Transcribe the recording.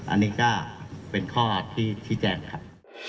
อันนี้ก็เป็นข้อที่แจ้งครับ